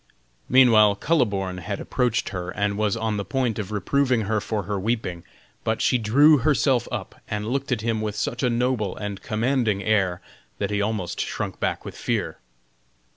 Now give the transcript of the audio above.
Meanwhile Kuhleborn had approached her, and was on the point of reproving her for her weeping. But she drew herself up, and looked at him with such a noble and commanding air that he almost shrunk back with fear.